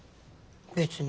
別に。